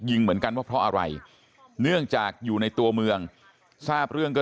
เหมือนกันว่าเพราะอะไรเนื่องจากอยู่ในตัวเมืองทราบเรื่องก็